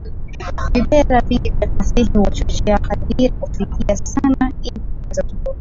Vipera vingi vya fasihi huwachochea hadhira kufikiri sana ili kupata suluhisho.